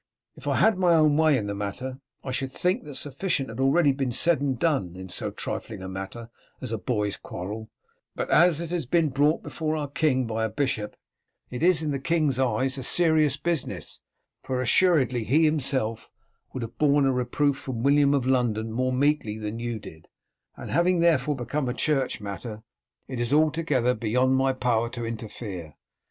If I had my own way in the matter, I should think that sufficient had already been said and done in so trifling a matter as a boys' quarrel; but as it has been brought before our king by a bishop, it is in the king's eyes a serious business, for assuredly he himself would have borne a reproof from William of London more meekly than you did, and having therefore become a church matter, it is altogether beyond my power to interfere.